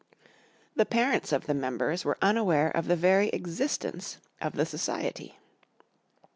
The parents of the members were unaware of the very existence of the society.